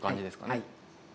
はい。